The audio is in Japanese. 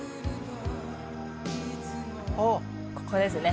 おっここですね